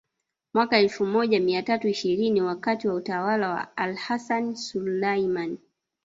Mwaka elfu moja mia tatu ishirini wakati wa utawala wa AlHassan Sulaiman